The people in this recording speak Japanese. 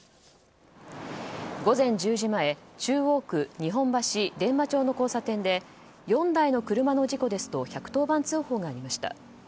午前１０時前中央区日本橋小伝馬町の交差点で４台の車の事故ですと１１０番通報がありました。